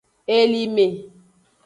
Elime.